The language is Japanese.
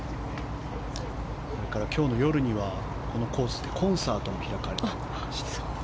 それから今日の夜にはこのコースでコンサートも開かれるという話です。